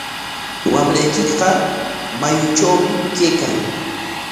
Wamraykiqa mayutrawmi kaykan.